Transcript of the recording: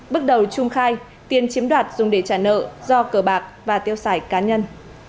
bước đầu trung khai tiền chiếm đoạt dùng để trả nợ do cờ bạc và tiêu xài cá nhân